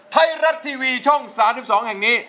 ไทยรัฐทีวีช่อง๓๒แห่งนี้